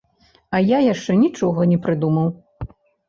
А я яшчэ нічога не прыдумаў.